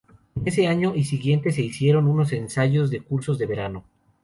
En ese año y siguiente se hicieron unos ensayos de cursos de verano.